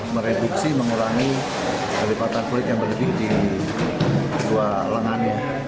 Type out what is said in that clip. mereduksi mengurangi kelepatan kulit yang berlebih di dua lengan